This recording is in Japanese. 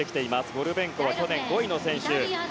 ゴルベンコは去年５位の選手。